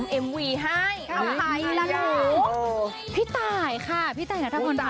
กับเพลงที่มีชื่อว่ากี่รอบก็ได้